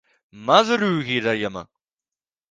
Masaru Hirayama